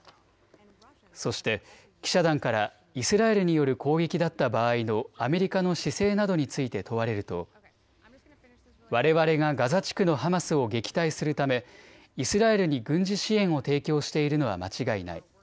そして記者団からイスラエルによる攻撃だった場合のアメリカの姿勢などについて問われるとわれわれがガザ地区のハマスを撃退するためイスラエルに軍事支援を提供しているのは間違いない。